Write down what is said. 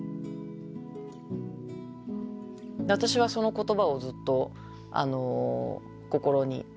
私はその言葉をずっと心に置きながら。